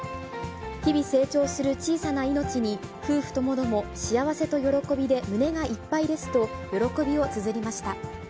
日々成長する小さな命に、夫婦共々、幸せと喜びで胸がいっぱいですと、喜びをつづりました。